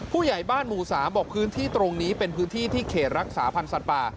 ผู้ใหญ่บ้านหมู่๓บอกพื้นที่ตรงนี้เป็นพื้นที่ที่เขตรักษาพันธ์สัตว์ป่า